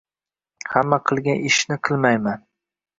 Hamma qilgan ishni qilmayman